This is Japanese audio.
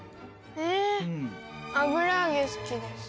え油揚げ好きです。